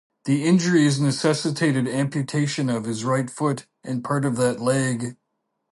The injuries necessitated amputation of his right foot and part of that leg.